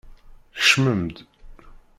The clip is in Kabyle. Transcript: Kecmem-d!